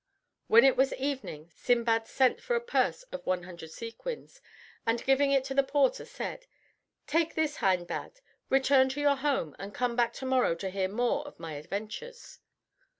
When it was evening, Sindbad sent for a purse of 100 sequins, and giving it to the porter, said, "Take this, Hindbad, return to your home, and come back to morrow to hear more of my adventures."